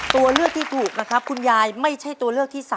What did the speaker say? ตัวเลือกที่ถูกนะครับคุณยายไม่ใช่ตัวเลือกที่๓